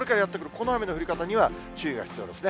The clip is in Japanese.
この雨の降り方には、注意が必要ですね。